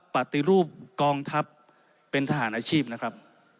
ปฏิรูปกองทัพเป็นทหารอาชีพนะครับ